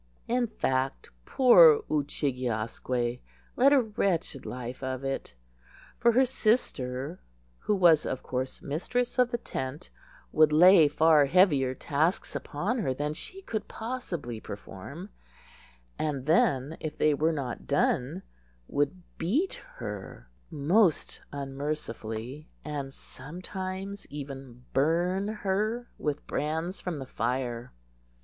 In fact, poor Oo chig e asque led a wretched life of it; for her sister, who was of course mistress of the tent, would lay far heavier tasks upon her than she could possibly perform, and then if they were not done, would beat her most unmercifully, and sometimes even burn her with brands from the fire.